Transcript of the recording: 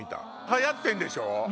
流行ってんでしょ？